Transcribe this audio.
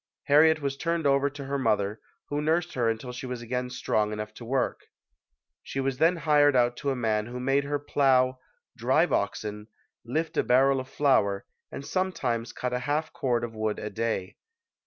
Har riet was turned over to her mother, who nursed her until she was again strong enough to work. She was then hired out to a man who made her plow, drive oxen, lift a barrel of flour, and some times cut a half cord of wood a day.